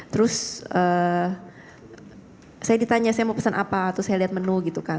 terus saya ditanya saya mau pesan apa terus saya lihat menu gitu kan